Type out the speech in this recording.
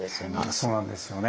そうなんですよね。